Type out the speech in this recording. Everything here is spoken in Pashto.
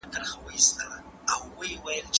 له حرامو پيسو څخه بايد ځان او کورنۍ وساتو.